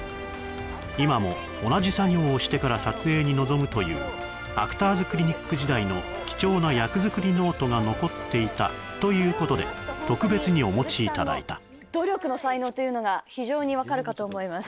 今も同じ作業をしてから撮影に臨むというアクターズクリニック時代の貴重な役作りノートが残っていたということで特別にお持ちいただいた努力の才能というのが非常に分かるかと思います